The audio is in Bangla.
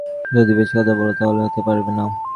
যদি বেশী কথা বল, তাহলে যোগী হতে পারবে না।